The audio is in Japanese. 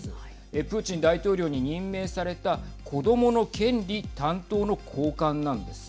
プーチン大統領に任命された子どもの権利担当の高官なんです。